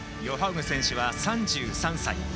ヨハウグ選手は３３歳。